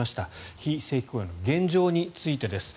非正規雇用の現状についてです。